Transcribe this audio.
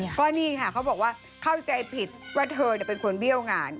ก็นี่ค่ะเขาบอกว่าเข้าใจผิดว่าเธอเป็นคนเบี้ยวงาน